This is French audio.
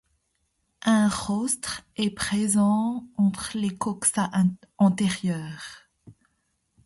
Un rostre est présent entre les coxa antérieures.